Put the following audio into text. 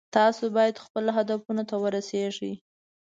تاسو باید خپلو هدفونو ته ورسیږئ